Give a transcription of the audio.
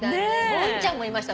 もんちゃんもいました。